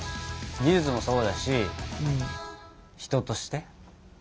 技術もそうだし人として？